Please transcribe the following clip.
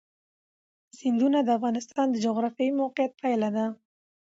سیندونه د افغانستان د جغرافیایي موقیعت پایله ده.